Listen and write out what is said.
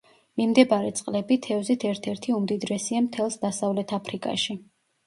მიმდებარე წყლები თევზით ერთ-ერთი უმდიდრესია მთელს დასავლეთ აფრიკაში.